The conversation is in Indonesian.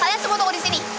kalian semua di sini